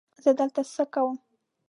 زه دلته څه کوم؟